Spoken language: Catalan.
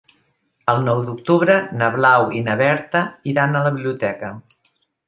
El nou d'octubre na Blau i na Berta iran a la biblioteca.